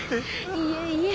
いえいえ。